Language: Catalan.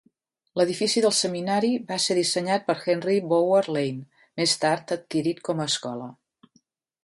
L'edifici del seminari va ser dissenyat per Henry Bowyer Lane, més tard adquirit com a escola.